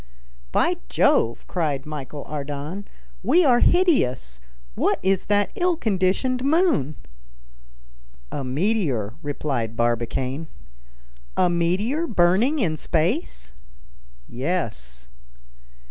"By Jove!" cried Michel Ardan, "we are hideous. What is that ill conditioned moon?" "A meteor," replied Barbicane. "A meteor burning in space?" "Yes."